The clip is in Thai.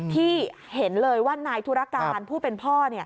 ที่เห็นเลยว่านายธุรการผู้เป็นพ่อ